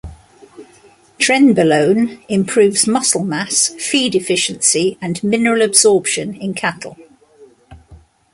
Trenbolone improves muscle mass, feed efficiency, and mineral absorption in cattle.